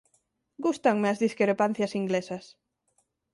Gústanme as discrepancias inglesas;